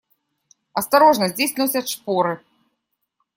Осторожно, здесь носят шпоры.